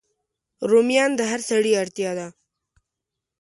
رومیان د هر سړی اړتیا ده